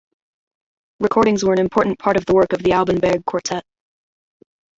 Recordings were an important part of the work of the Alban Berg Quartet.